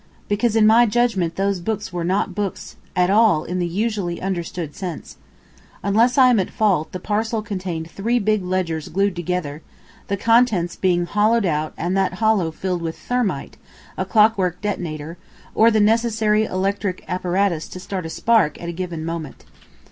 "Because in my judgment those books were not books at all in the usually understood sense. Unless I am at fault, the parcel contained three big ledgers glued together, the contents being hollowed out and that hollow filled with thermite, a clockwork detonator, or the necessary electric apparatus to start a spark at a given moment."